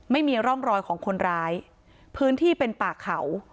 ไม่มีร่องรอยของคนร้ายพื้นที่เป็นป่าเขา